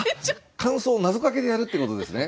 感想をなぞかけでやるってことですね？